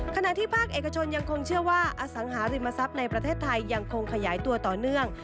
ขณะที่ภาคเอกชนยังคงเชื่อว่าอสังหาริมทรัพย์ในประเทศไทยยังคงขยายตัวต่อเนื่อง